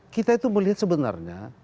kita itu melihat sebenarnya